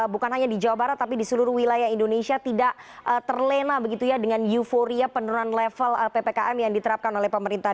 bukan hanya di jawa barat tapi di seluruh wilayah indonesia tidak terlena begitu ya dengan euforia penurunan level ppkm yang diterapkan oleh pemerintah